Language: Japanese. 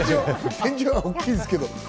天井は大きいですけど。